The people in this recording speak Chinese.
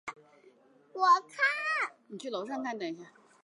佩纳福蒂是巴西塞阿拉州的一个市镇。